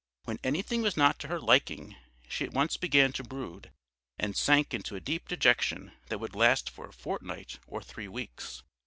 When anything was not to her liking, she at once began to brood, and sank into a deep dejection that would last for a fortnight or three weeks.